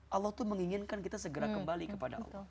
allah tuh menginginkan kita segera kembali kepada allah